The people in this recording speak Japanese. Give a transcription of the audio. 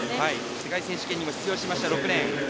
世界選手権にも出場しました。